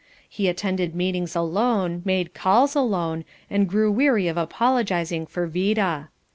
He attended meetings alone, made calls alone, and grew weary of apologizing for Vida.